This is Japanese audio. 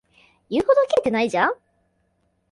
言うほどキレてないじゃん